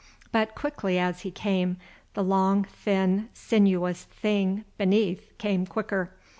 But quickly as he came, the long, thin, sinuous thing beneath came quicker.